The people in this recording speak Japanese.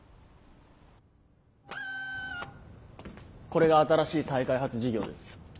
これが新しい再開発事業です。